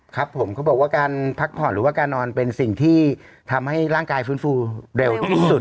ครับผมเขาบอกว่าการพักผ่อนหรือว่าการนอนเป็นสิ่งที่ทำให้ร่างกายฟื้นฟูเร็วที่สุด